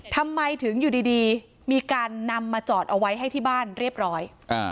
ทำไมถึงอยู่ดีมีการนำมาจอดเอาไว้ให้ที่บ้านเรียบร้อย